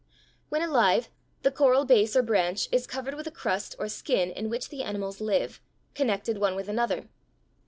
When alive, the coral base or branch is covered with a crust or skin in which the animals live, connected one with another.